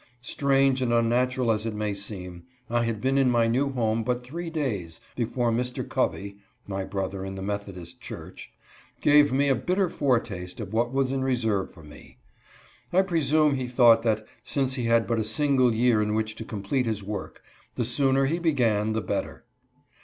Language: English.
Strange and un natural as it may seem, I had been in my new home but three days before Mr. Covey (my brother in the Metho dist church,) gave me a bitter foretaste of what was in reserve for me. I presume he thought that, since he had but a single year in which to complete his work, the sooner he began the better.